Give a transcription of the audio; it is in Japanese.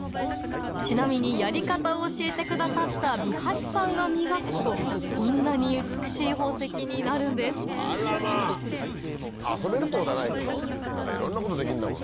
ちなみにやり方を教えてくださった三橋さんが磨くとこんなに美しい宝石になるんです遊べるってことはないけどいろんなことできるんだもんね。